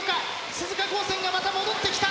鈴鹿高専がまた戻ってきた。